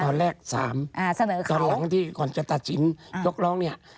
ตอนแรก๓ตอนหลังที่ก่อนจะตัดสินยกร้องเนี่ย